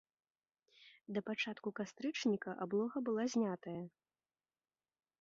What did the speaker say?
Да пачатку кастрычніка аблога была знятая.